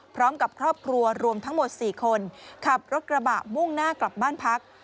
พร้อมกับครอบครัวรวมทั้งหมด๔คนขับรถกระบะมุ่งหน้ากลับบ้านพัก